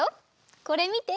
これみて！